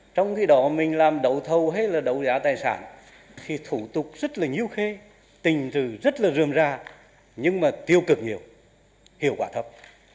trong khi đó mình làm đấu thầu hay là đấu giá tài sản thì thủ tục rất là nhiễu khê tình trừ rất là rươm ra nhưng mà tiêu cực nhiều hiệu quả thấp